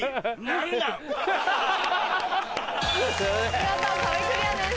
見事壁クリアです。